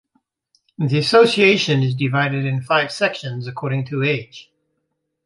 The association is divided in five sections according to age.